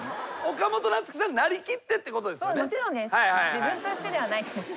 自分としてではないです。